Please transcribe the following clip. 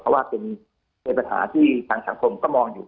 เพราะว่าเป็นปัญหาที่ทางสังคมก็มองอยู่